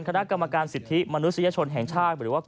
กสมเนี่ยนะฮะ